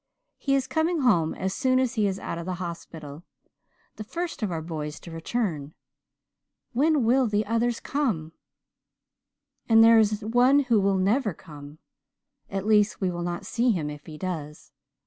He is coming home as soon as he is out of the hospital the first of our boys to return. When will the others come? "And there is one who will never come. At least we will not see him if he does.